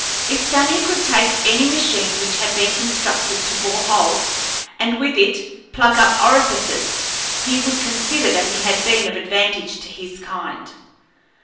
If Sammy could take any machine which had been constructed to bore holes, and with it plug up orifices, he would consider that he had been of advantage to his kind.